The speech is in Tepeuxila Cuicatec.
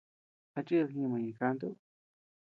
¿A chid jima ñeʼe kantu?